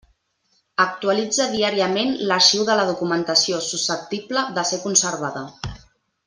Actualitza diàriament l'arxiu de la documentació susceptible de ser conservada.